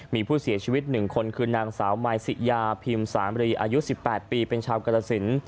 มีผู้เสียชีวิต๑คนคือนางสาวมายสิยาพิมพ์สามรีอายุ๑๘ปีเป็นชาวกรสิน